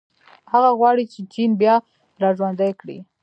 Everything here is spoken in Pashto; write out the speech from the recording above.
هغه غواړي چې چین بیا راژوندی کړي.